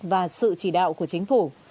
và sự chỉ đạo của chính phủ